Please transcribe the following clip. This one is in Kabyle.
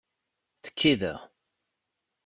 Tekki da!